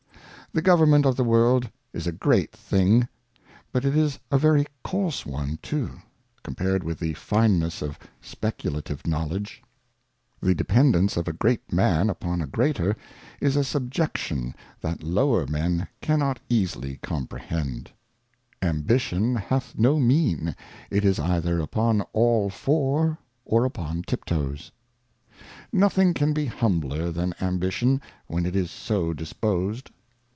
The Government of the World is a great thing ; but it is a very coarse one too, compared with the Fineness of Speculative Knowledge. The Dependance of a great Man upon a greater, is a Sub jection that lower Men cannot easily comprehend. Ambition 232 Moral Thoughts and Reflections. Ambition hath no Mean, it is either upon all four or upon Tiptoes. Nothing can be humbler than Ambition, when it is so disposed.